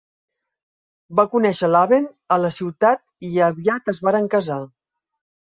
Va conèixer Laven a la ciutat i aviat es varen casar.